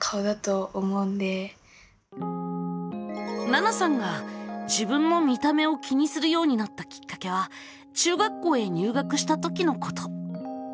ななさんが自分の見た目を気にするようになったきっかけは中学校へ入学したときのこと。